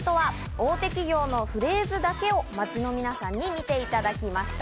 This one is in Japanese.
大手企業のフレーズだけを街の皆さんに見ていただきました。